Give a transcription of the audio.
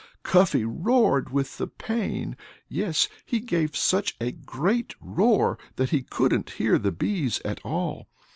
Cuffy roared with the pain. Yes he gave such a great roar that he couldn't hear the bees at all.